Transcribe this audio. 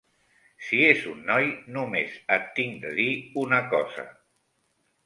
Si és un noi, no més et tinc de dir una cosa.